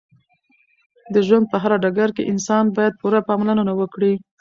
د ژوند په هر ډګر کې انسان باید پوره پاملرنه وکړې